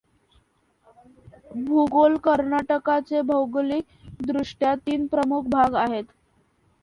भूगोल कर्नाटकाचे भौगोलिक दृष्ट्या तीन प्रमुख भाग आहेत.